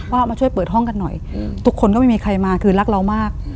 มาช่วยเปิดห้องกันหน่อยทุกคนก็ไม่มีใครมาคือรักเรามาก